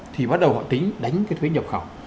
thì bắt đầu họ tính đánh cái thuế nhập khẩu